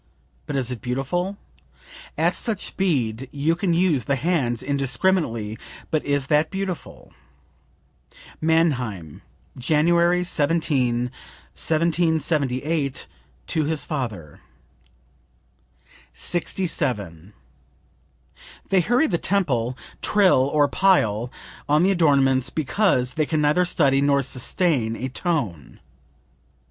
But is it beautiful? At such speed you can use the hands indiscriminately; but is that beautiful?" (Mannheim, January 17, 1778, to his father.) 67. "They hurry the tempo, trill or pile on the adornments because they can neither study nor sustain a tone."